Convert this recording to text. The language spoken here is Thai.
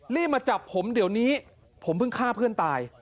รีบมาจับผมเดี๋ยวนี้ผมเพิ่งฆ่าเพื่อนตาย